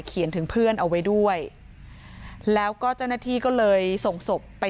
เขียนถึงเพื่อนเอาไว้ด้วยแล้วก็เจ้าหน้าที่ก็เลยส่งศพไป